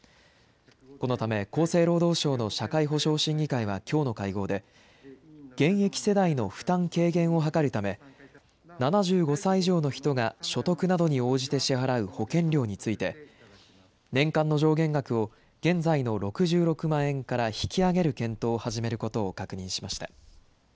このため厚生労働省の社会保障審議会はきょうの会合で、現役世代の負担軽減を図るため、７５歳以上の人が所得などに応じて支払う保険料について、年間の上限額を現在の６６万円から引き上げる検討を始めることを確認しました。